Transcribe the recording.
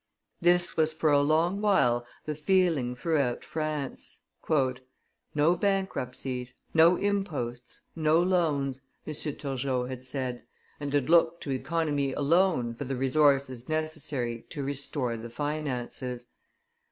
This was for a long while the feeling throughout France. "No bankruptcies, no new imposts, no loans," M. Turgot had said, and had looked to economy alone for the resources necessary to restore the finances.